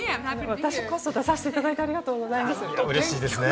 私こそ出さしていただき、ありがとうございます。